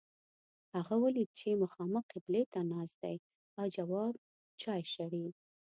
هغه ولید چې مخامخ قبلې ته ناست دی او جواب چای شړي.